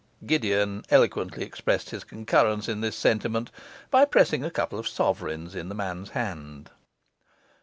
Gideon eloquently expressed his concurrence in this sentiment by pressing a couple of sovereigns in the man's hand.